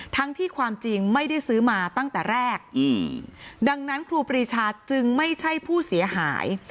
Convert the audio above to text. ทั้งที่ความจริงไม่ได้ซื้อมาตั้งแต่แรกดังนั้นครูปรีชาจึงไม่ใช่ผู้เสียหาย